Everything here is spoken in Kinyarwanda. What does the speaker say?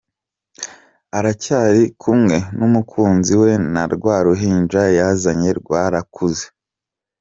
Aracyari kumwe n’umukunzi we na rwa ruhinja yazanye rwarakuze kandi rwarakunzwe!